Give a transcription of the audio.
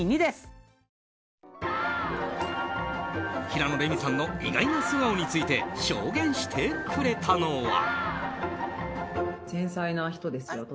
平野レミさんの意外な素顔について証言してくれたのは。